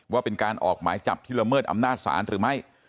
ว่าเป็นการออกหมายจับที่ละเมิดอำนาจศาลหรือไม่